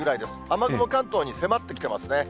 雨雲、関東に迫ってきてますね。